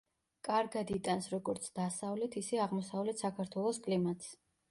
კარგად იტანს როგორც დასავლეთ, ისე აღმოსავლეთ საქართველოს კლიმატს.